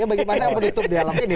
bagaimana menutup dialog ini